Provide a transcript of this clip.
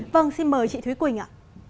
vâng xin mời chị thúy quỳnh ạ